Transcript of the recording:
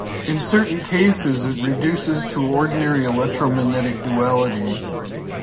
In certain cases it reduces to ordinary electromagnetic duality.